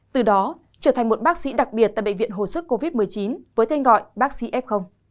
từ đó trở thành một bác sĩ đặc biệt tại bệnh viện hồ sức covid một mươi chín với tên gọi bác sĩ f